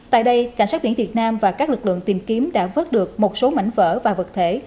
tại đây cảnh sát biển việt nam và các lực lượng tìm kiếm đã vớt được một số mảnh vỡ và vật thể